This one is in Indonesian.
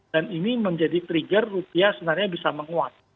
dan ini menjadi trigger rupiah sebenarnya bisa menguat